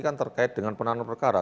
kan terkait dengan penanganan perkara